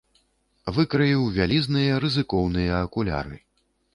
Выкраіў вялізныя, рызыкоўныя акуляры.